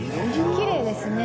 きれいですね。